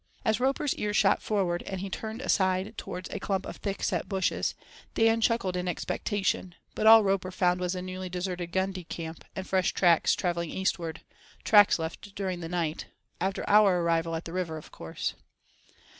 As Roper's ears shot forward and he turned aside towards a clump of thick set bushes, Dan chuckled in expectation, but all Roper found was a newly deserted gundi camp, and fresh tracks travelling eastwards—tracks left during the night—after our arrival at the river, of course.